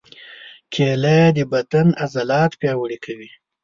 کېله د بدن عضلات پیاوړي کوي.